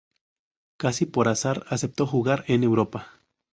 Casi por azar aceptó jugar en Europa.